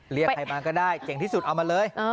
เรียกใครมาก็ได้เก่งที่สุดเอามาเลย